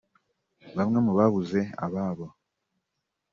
Bamwe mu babuze ababo